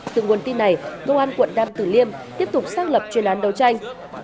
từ nguồn tin này công an quận nam tử liêm tiếp tục xác lập chuyên án đấu tranh